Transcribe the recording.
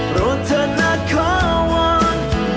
โปรดเธอน่าขอวัง